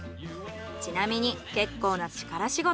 ちなみに結構な力仕事。